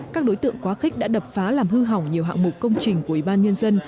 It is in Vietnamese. các đối tượng quá khích đã đập phá làm hư hỏng nhiều hạng mục công trình của ủy ban nhân dân